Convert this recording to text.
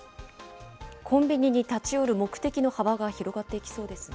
コンビニに立ち寄る目的の幅が広がっていきそうですね。